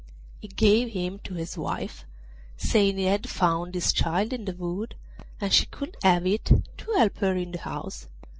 He gave him to his wife, saying he had found this child in the wood, and she could have it to help her in the house.